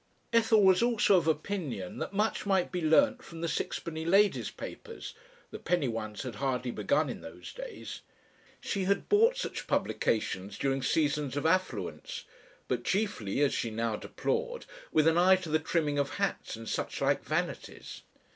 Ethel was also of opinion that much might be learnt from the sixpenny ladies' papers the penny ones had hardly begun in those days. She had bought such publications during seasons of affluence, but chiefly, as she now deplored, with an eye to the trimming of hats and such like vanities.